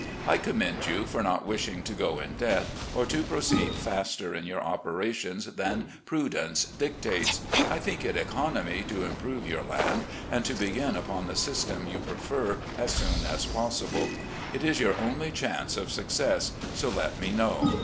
I commend you for not wishing to go in debt, or to proceed faster in your operations than prudence dictates. I think it economy to improve your land, and to begin upon the system you prefer as soon as possible. It is your only chance of success, so let me know.